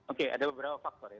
oke ada beberapa faktor ya